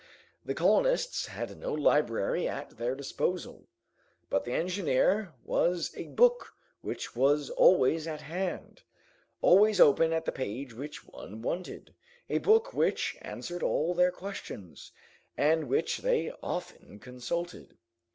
The colonists had no library at their disposal; but the engineer was a book which was always at hand, always open at the page which one wanted, a book which answered all their questions, and which they often consulted.